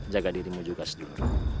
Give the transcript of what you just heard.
jaga dirimu juga sedulur